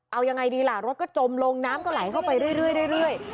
เอายังไงดีล่ะรถก็จมลงน้ำก็ไหลเข้าไปเรื่อย